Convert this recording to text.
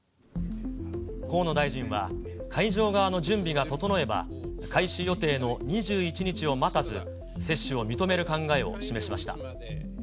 河野大臣は、会場側の準備が整えば、開始予定の２１日を待たず、接種を認める考えを示しました。